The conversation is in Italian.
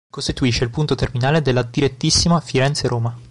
Costituisce il punto terminale della "direttissima" Firenze-Roma.